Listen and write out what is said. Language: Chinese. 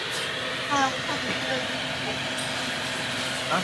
图尔内库普。